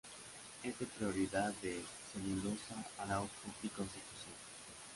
Es de propiedad de Celulosa Arauco y Constitución.